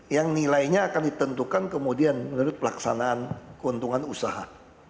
yang nilainya akan ditentukan kemudian menurut pelaksanaan keuntungan usaha